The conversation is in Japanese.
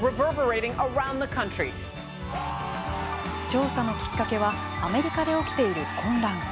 調査のきっかけはアメリカで起きている混乱。